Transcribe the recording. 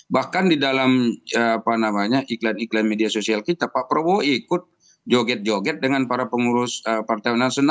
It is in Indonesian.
bahkan di dalam iklan iklan media sosial kita pak prabowo ikut joget joget dengan para pengurus partai nasional